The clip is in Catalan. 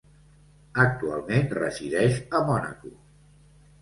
Actualment resideix a Mònaco.